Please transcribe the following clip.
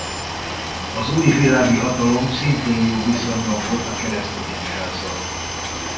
Az új világi hatalom szintén jó viszonyban volt a keresztény egyházzal.